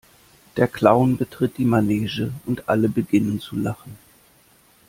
Der Clown betritt die Manege und alle beginnen zu Lachen.